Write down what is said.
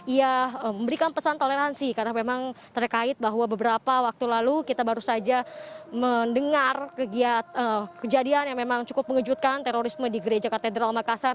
ia memberikan pesan toleransi karena memang terkait bahwa beberapa waktu lalu kita baru saja mendengar kejadian yang memang cukup mengejutkan terorisme di gereja katedral makassar